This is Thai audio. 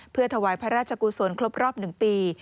เพื่อถวายพระราชกุศลครบรอบ๑ปี